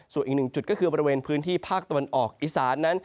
ส่วนอีกหนึ่งจุดก็คือบริเวณพื้นที่ภาคตะวันออกอีสานนั้น